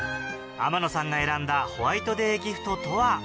天野さんが選んだホワイトデーギフトとは？